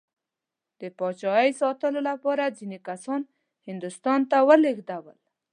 د پاچایۍ ساتلو لپاره ځینې کسان هندوستان ته ولېږدول.